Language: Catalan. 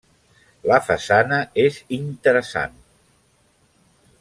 La façana és interessant.